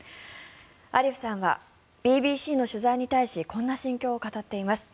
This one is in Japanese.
アリフさんはＢＢＣの取材に対しこんな心境を語っています。